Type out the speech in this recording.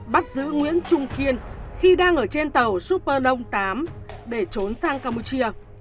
bắt giữ nguyễn trung kiên khi đang ở trên tàu super đông tám để trốn sang campuchia